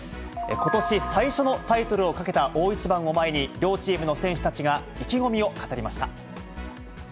ことし最初のタイトルをかけた大一番を前に、両チームの選手たちが意気込みを語りました。